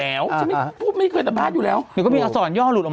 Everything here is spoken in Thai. เดี๋ยวมันมันไม่มีคนกอบพูด